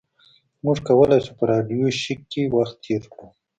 موږ کولی شو په راډیو شیک کې وخت تیر کړو